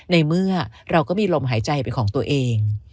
ในเมื่อเราก็มีลมหายใจเป็นของตัวเอง